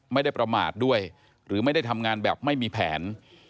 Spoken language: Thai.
ไม่ได้ประมาทด้วยหรือไม่ได้ทำงานแบบไม่มีแผน